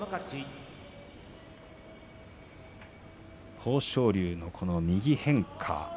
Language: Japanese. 豊昇龍の右の変化。